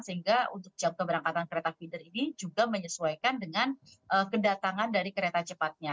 sehingga untuk jam keberangkatan kereta feeder ini juga menyesuaikan dengan kedatangan dari kereta cepatnya